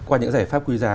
qua những giải pháp quý giá